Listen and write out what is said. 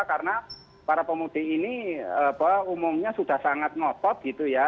karena para pemudik ini umumnya sudah sangat ngopot gitu ya